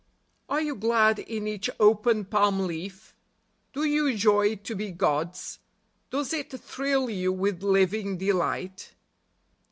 Are you glad in each open palm leaf ? Do you joy to be God's ? Does it thrill you with living delight